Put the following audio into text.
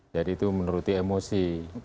jadi itu menuruti emosi